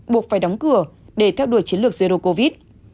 buộc phải đóng cửa để theo đuổi chiến lược zero covid